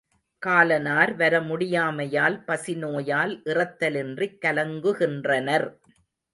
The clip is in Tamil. காலனார் வரமுடியாமை யால் பசி நோயால் இறத்தலின்றிக் கலங்குகின்றனர்.